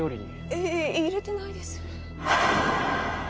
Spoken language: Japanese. いえいえ入れてないです